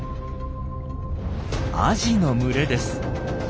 アジの群れです。